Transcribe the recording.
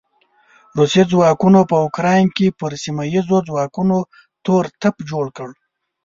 روسي ځواکونو په يوکراين کې پر سیمه ايزو ځواکونو تور تيپ جوړ کړ.